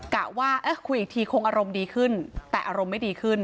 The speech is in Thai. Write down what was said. กะว่าคุยอีกทีคงอารมณ์ดีขึ้นแต่อารมณ์ไม่ดีขึ้น